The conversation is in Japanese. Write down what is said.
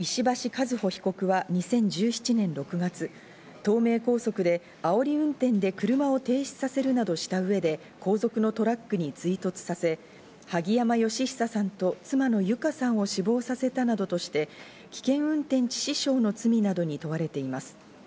和歩被告は２０１７年６月、東名高速であおり運転で車を停止させるなどした上で、後続のトラックに追突させ、萩山嘉久さんと妻の友香さんを死亡させたなどとして危険運転致死傷の罪などに問われています。